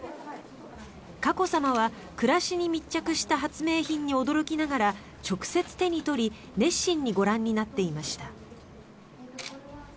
佳子さまは、暮らしに密着した発明品に驚きながら直接手に取り熱心にご覧になっていました。